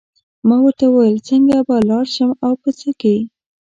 ما ورته وویل څنګه به لاړ شم او په څه کې.